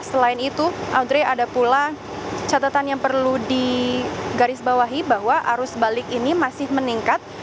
selain itu audre ada pula catatan yang perlu digarisbawahi bahwa arus balik ini masih meningkat